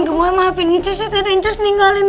gemoy maafin nek cus ya tadi nek cus ninggalin